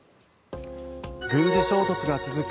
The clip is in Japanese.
軍事衝突が続く